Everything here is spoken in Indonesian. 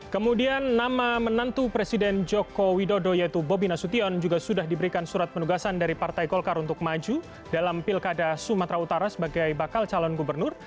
kemudian nama menantu presiden joko widodo yaitu bobi nasution juga sudah diberikan surat penugasan dari partai golkar untuk maju dalam pilkada sumatera utara sebagai bakal calon gubernur